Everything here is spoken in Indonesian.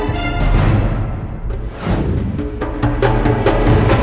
jangan lupa joko tingkir